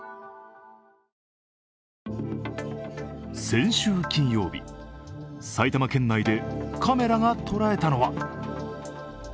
先週金曜日埼玉県内でカメラが捉えたのは。